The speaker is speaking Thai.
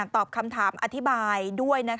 ตอบคำถามอธิบายด้วย